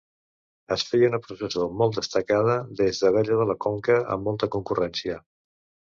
Es feia una processó molt destacada des d'Abella de la Conca, amb molta concurrència.